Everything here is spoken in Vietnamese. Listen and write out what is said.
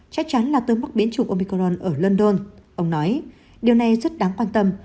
chắc chắn là từ mắc biến chủng omicron ở london ông nói điều này rất đáng quan tâm